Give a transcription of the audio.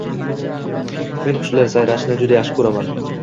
men qushlar sayrashini juda yaxshi ko`raman